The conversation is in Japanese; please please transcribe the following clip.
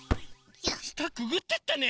したくぐってったね